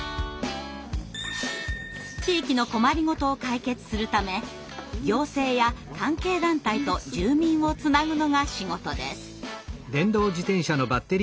地域の困りごとを解決するため行政や関係団体と住民をつなぐのが仕事です。